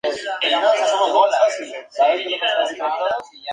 Como se extiende sobre una elevación, hay calles empinadas.